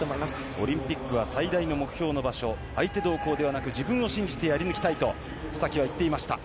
オリンピックは自分の最大の場所相手どうこうではなく自分を信じてやり抜きたいと須崎は言っていました。